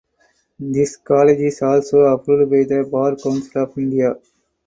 This college is also approved by the Bar Council of India.